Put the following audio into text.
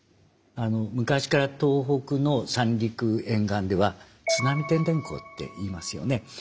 昔から東北の三陸沿岸では津波てんでんこって言いますよね。